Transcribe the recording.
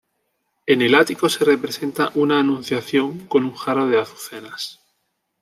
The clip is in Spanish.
En el ático se representa una Anunciación con un jarrón de azucenas.